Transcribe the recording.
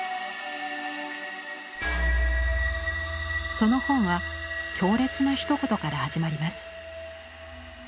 その本は強烈なひと言から始まります。